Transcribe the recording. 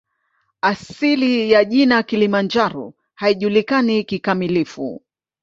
Asili ya jina "Kilimanjaro" haijulikani kikamilifu.